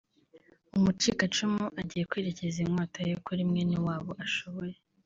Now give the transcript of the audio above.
Umucikacumu agiye kwerekeza inkota ye kuri mwene wabo ashoboye